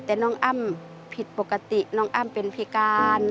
แต่น้องอ้ำผิดปกติน้องอ้ำเป็นพิการ